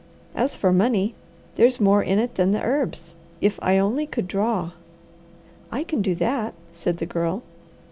As for money, there's more in it than the herbs, if I only could draw." "I can do that," said the Girl.